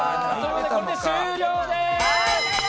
ここで終了です。